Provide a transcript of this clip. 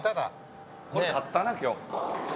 これ、勝ったな、今日。